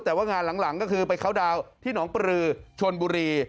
แต่ว่างานหลังก็คือไปเข้าดาวน์ที่หนองปลือชนบุรี